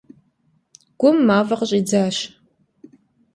Гум мафӏэ къыщӏидзащ.